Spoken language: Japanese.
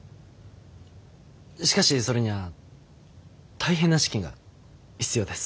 しかしそれには大変な資金が必要です。